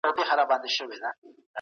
ملکيت د انسان طبعي حق دی.